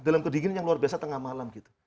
dalam kedinginan yang luar biasa tengah malam